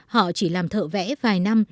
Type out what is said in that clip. họ chỉ làm thợ vẽ vài năm